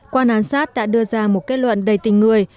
quan án sát đã đưa ra một kết luận đầy tình người